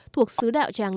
thuộc sứ đạo tràng